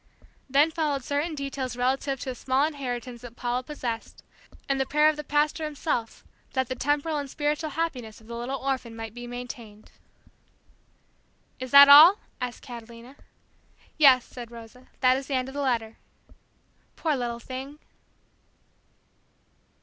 Then followed certain details relative to a small inheritance that Paula possessed, and the prayer of the Pastor himself that the temporal and spiritual happiness of the little orphan might be maintained. "Is that all?" asked Catalina. "Yes," said Rosa; "that is the end of the letter." "Poor little thing!"